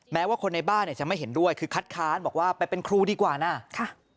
แม้ว่าคนในบ้านเนี่ยจะไม่เห็นด้วยคือคัดค้านบอกว่าไปเป็นครูดีกว่านะค่ะ